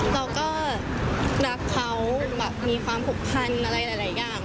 เราก็รักเขาแบบมีความผูกพันอะไรหลายอย่าง